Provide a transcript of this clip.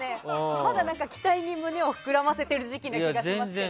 まだ、期待に胸を膨らませてる時期な気がしますけど。